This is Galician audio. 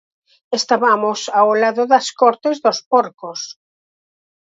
Estabamos ao lado das cortes dos porcos.